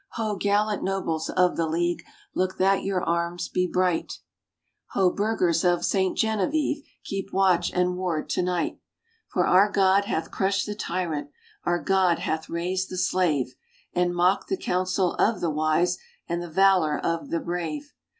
Ho! gallant nobles of the League, look that your arms be bright; RAINBOW GOLD Ho ! burghers of St. Gene vie ve, keep watch and ward to night ; For our God hath crushed the tyrant, our God hath raised the slave, And mocked the counsel of the wise, and the valor of the brave.